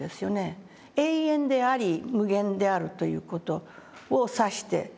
永遠であり無限であるという事を指して。